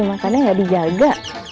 makannya gak dijaga